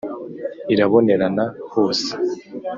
Irabonerana hose.